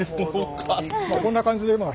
こんな感じでまあ